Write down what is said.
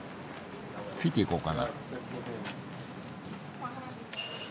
ついていこうかな。